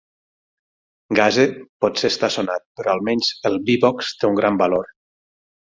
Gassee potser està sonat, però almenys el BeBox té un gran valor.